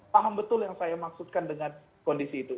paham betul yang saya maksudkan dengan kondisi itu